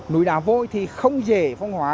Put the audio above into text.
núi đà vôi thì không dễ phong hóa